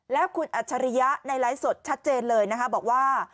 แล้วคุณอัจฉริยะในไลฟ์สดชัดเจนเลยนะคะบอกว่า